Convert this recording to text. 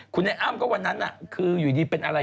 คุณไอ้อ้ำก็วันนั้นคืออยู่ดีเป็นอะไร